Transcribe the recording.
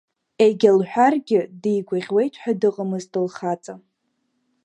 Егьа лҳәаргьы дигәаӷьуеит ҳәа дыҟамызт лхаҵа.